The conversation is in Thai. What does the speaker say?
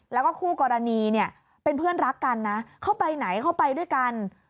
แล้วก็คู่กรณีเนี่ยเป็นเพื่อนรักกันนะเข้าไปไหนเข้าไปด้วยกัน